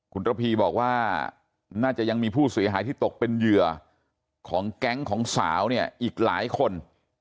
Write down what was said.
คุณระพีบอกว่าน่าจะยังมีผู้เสียหายที่ตกเป็นเหยื่อของแก๊งของสาวเนี่ยอีกหลายคน